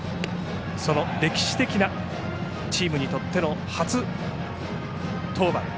歴史的なチームにとっての初登板。